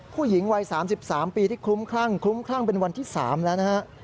ผู้หญิงไว๓๓ปีที่ครุมครั้งครึ่มครั้งเป็น๓วันแล้ว